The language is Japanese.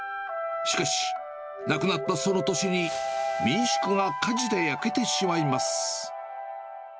しかし、亡くなったその年に民宿が火事で焼けてしまいます。